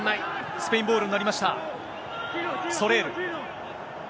スペインボールになりました。